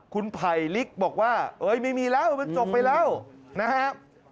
คุณไผ่ลิกบอกว่าเอ้ยไม่มีแล้วมันจบไปแล้วนะครับ